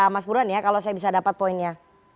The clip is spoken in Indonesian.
mas buruan ya kalau saya bisa dapat poinnya